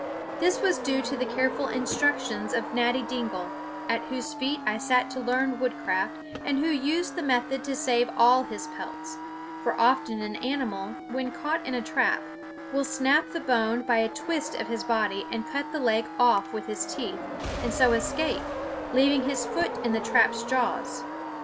This was due to the careful instructions of Natty Dingle, at whose feet I sat to learn woodcraft, and who used the method to save all his pelts; for often an animal, when caught in a trap, will snap the bone by a twist of his body and then cut the leg off with his teeth, and so escape, leaving his foot in the trap's jaws.